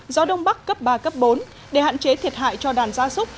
gió đông bắc cấp ba cấp bốn để hạn chế thiệt hại cho đàn gia súc